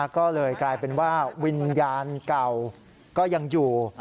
ก็เลยกลายเป็นว่าวิญญาณเก่าก็ยังอยู่